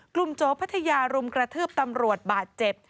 โจ๊พัทยารุมกระทืบตำรวจบาดเจ็บ